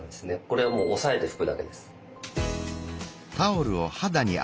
これはもう押さえて拭くだけです。